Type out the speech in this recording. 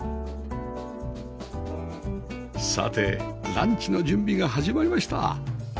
さてランチの準備が始まりました